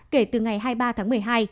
kể từ ngày hai mươi ba tháng một mươi hai